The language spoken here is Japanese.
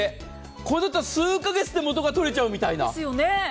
これだったら数カ月で元が取れちゃうみたいな。